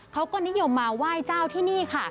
เขาก็นิยมมาไหว้เจ้าที่นี่ค่ะ